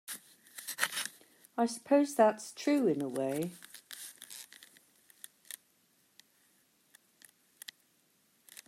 I suppose that's true in a way.